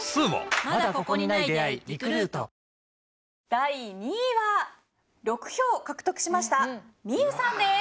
第２位は６票獲得しましたみゆさんです。